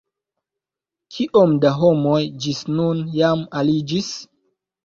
Kiom da homoj ĝis nun jam aliĝis?